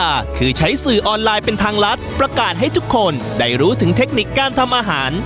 หรือใช้สื่อออนไลน์เป็นทางรัฐประกาศให้ทุกคนได้รู้ถึงเทคนิคการทำอาหาร